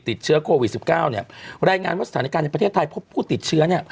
ติดเชื้อโควิด๑๙รายงานว่าสถานการณ์ในประเทศไทยพวกผู้ติดเชื้อ